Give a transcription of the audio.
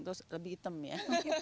terus lebih hitam ya